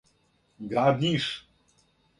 Град Ниш